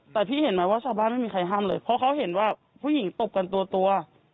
แต่พี่เห็นไหมว่าชาวบ้านไม่มีใครห้ามเลยเพราะเขาเห็นว่าผู้หญิงตบกันตัว